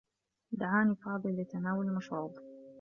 دعاني فاضل لتناول مشروب.